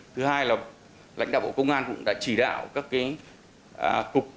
thứ hai là lãnh đạo bộ công an cũng đã chỉ đạo các cục